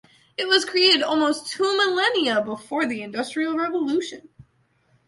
It was created almost two millennia before the industrial revolution.